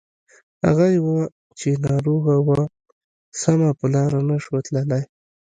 هغه يوه چې ناروغه وه سمه په لاره نه شوه تللای.